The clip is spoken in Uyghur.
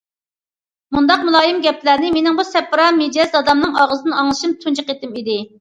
مۇنداق مۇلايىم گەپلەرنى مېنىڭ بۇ سەپرا مىجەز دادامنىڭ ئاغزىدىن ئاڭلىشىم تۇنجى قېتىم ئىدى.